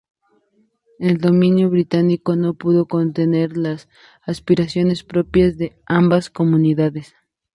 El dominio británico no pudo contener las aspiraciones propias de ambas comunidades.